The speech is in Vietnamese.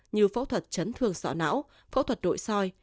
như phẫu thuật chấn thương sọ não phẫu thuật nội soi